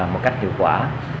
một cách hiệu quả